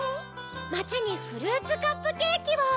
まちにフルーツカップケーキを。